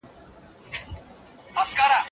په هغه شپه یې د مرګ پر لور روان کړل